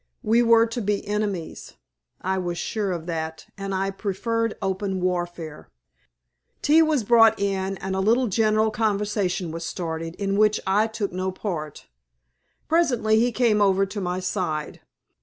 We were to be enemies. I was sure of that, and I preferred open warfare. Tea was brought in, and a little general conversation was started, in which I took no part. Presently he came over to my side.